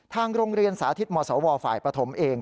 ทางโรงเรียนสาธิตมศวฝ่ายปฐมเอง